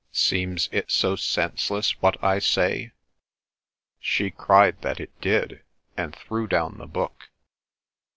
Seems it so senseless what I say? She cried that it did, and threw down the book.